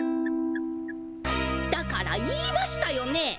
だから言いましたよね？